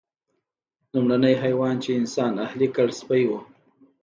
لومړنی حیوان چې انسان اهلي کړ سپی و.